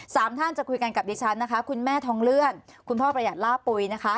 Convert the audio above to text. สามท่านจะคุยกันกับดิฉันนะคะคุณแม่ทองเลื่อนคุณพ่อประหยัดล่าปุ๋ยนะคะ